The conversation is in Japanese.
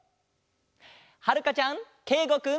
はるかちゃんけいごくん。